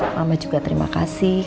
mama juga terima kasih